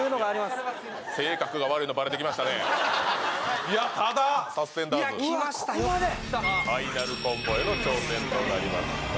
よくきたなファイナルコンボへの挑戦となりました